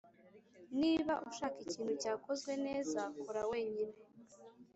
niba ushaka ikintu cyakozwe neza, kora wenyine.